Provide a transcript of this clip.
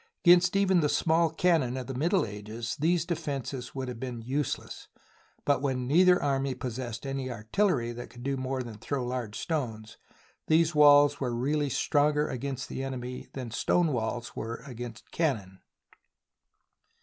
Against even the small cannon of the Middle Ages these defences would have been use less. But when neither army possessed any artillery that could do more than throw large stones, these SIEGE OF ALESIA walls were really stronger against the enemy than stone walls were against cannon.